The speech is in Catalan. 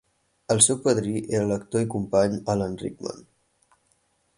El seu padrí era l"actor i company Alan Rickman.